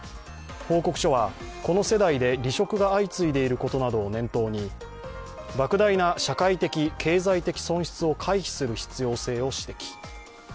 報告書は、この世代で離職が相次いでいることなどを念頭にばく大な社会的・経済的損失を回避する必要性を指摘。